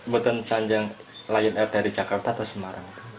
bukan canjang lion air dari jakarta atau semarang